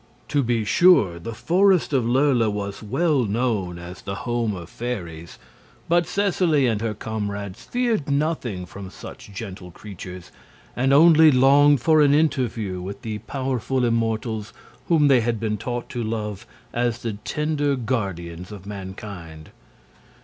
To be sure, the Forest of Lurla was well known as the home of fairies, but Seseley and her comrades feared nothing from such gentle creatures and only longed for an interview with the powerful immortals whom they had been taught to love as the tender guardians of mankind.